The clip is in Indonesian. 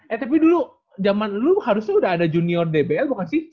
eh tapi dulu zaman dulu harusnya udah ada junior dbl bukan sih